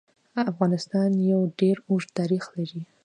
افغانستان يو ډير اوږد تاريخ لري.